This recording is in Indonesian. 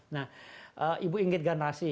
nah ibu inggit ganrasi